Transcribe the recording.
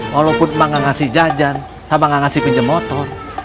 walaupun ma nggak ngasih jajan sama nggak ngasih pinjem motor